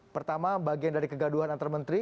pertama bagian dari kegaduhan antar menteri